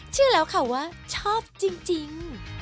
เชื่อแล้วค่ะว่าชอบจริง